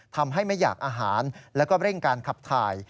ทำให้ไม่อยากอาหารแล้วก็เร่งการคับทาย